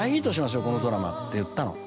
「このドラマ」って言ったの。